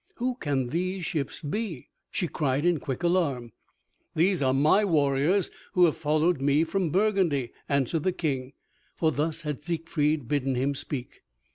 "Whose can these ships be?" she cried in quick alarm. "These are my warriors who have followed me from Burgundy," answered the King, for thus had Siegfried bidden him speak.